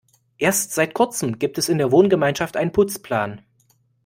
Erst seit Kurzem gibt es in der Wohngemeinschaft einen Putzplan.